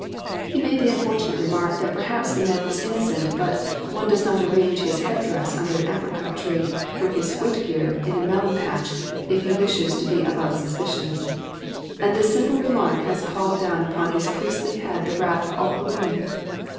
He made the unfortunate remark that perhaps the man was innocent but "one does not arrange his head dress under an apricot tree, nor his foot gear in a melon patch, if he wishes to be above suspicion," and this simple remark has called down upon his priestly head the wrath of all the women.